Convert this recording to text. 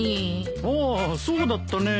ああそうだったね。